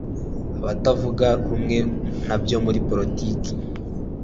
abatavuga rumwe nabyo muri politiki,